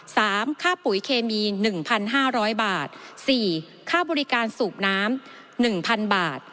ค่าปุ๋ยเคมีหนึ่งพันห้าร้อยบาทสี่ค่าบริการสูบน้ำหนึ่งพันบาท